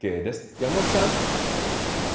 山本さん。